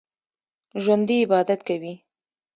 ژوندي عبادت کوي